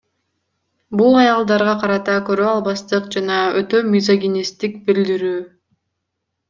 Бул аялдарга карата көрө албастык жана өтө мизогинисттик билдирүү.